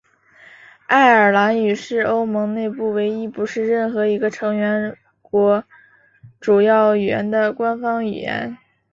爱尔兰语是欧盟内部唯一不是任何一个成员国主要语言的官方语言。